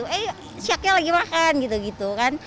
eh syaknya lagi makan gitu gitu kan